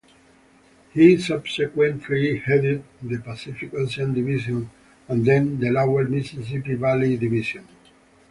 He subsequently headed the Pacific Ocean Division and then the Lower Mississippi Valley Division.